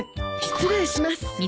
失礼します。